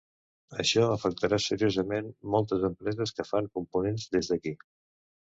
Això afectarà seriosament moltes empreses que fan components des d’aquí.